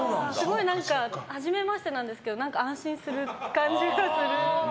はじめましてなんですけど何か安心する感じがする。